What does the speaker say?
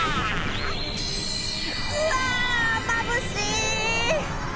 うわー、まぶしい！